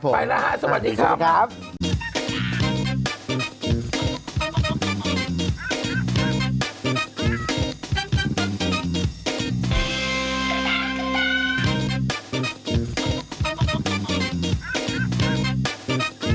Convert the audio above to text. โปรดติดตามันทุกวันสวัสดีครับ